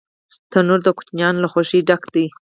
تنور د کوچنیانو له خوښۍ ډک دی